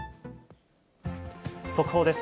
速報です。